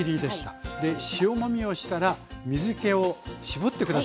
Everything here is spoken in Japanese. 塩もみをしたら水けを絞って下さい。